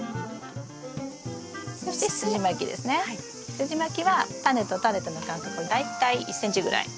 すじまきはタネとタネとの間隔は大体１ｃｍぐらい。